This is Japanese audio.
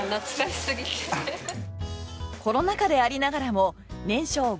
コロナ禍でありながらも年商５億円。